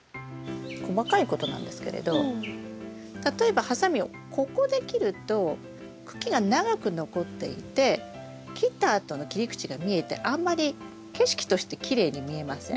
細かいことなんですけれど例えばハサミをここで切ると茎が長く残っていて切ったあとの切り口が見えてあんまり景色としてきれいに見えません。